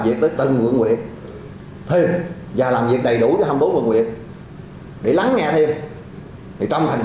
việc tới từng quận huyện thêm và làm việc đầy đủ cho hai mươi bốn quận huyện để lắng nghe thêm trong thành